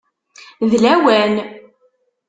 D lawan!